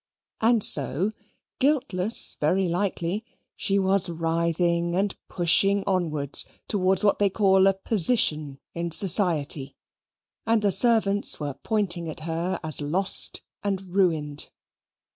And so guiltless very likely she was writhing and pushing onward towards what they call "a position in society," and the servants were pointing at her as lost and ruined.